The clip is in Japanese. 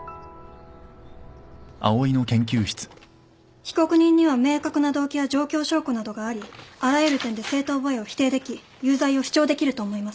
被告人には明確な動機や状況証拠などがありあらゆる点で正当防衛を否定でき有罪を主張できると思います。